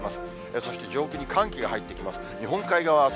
そして上空に寒気が入ってきます。